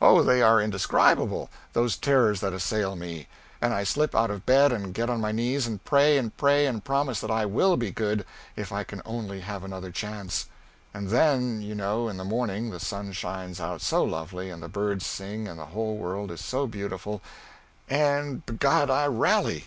oh, they are indescribable, those terrors that assail me, and I slip out of bed and get on my knees and pray and pray and promise that I will be good, if I can only have another chance. And then, you know, in the morning the sun shines out so lovely, and the birds sing and the whole world is so beautiful, and _b' God, I rally!